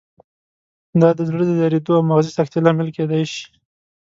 دا د زړه د دریدو او مغزي سکتې لامل کېدای شي.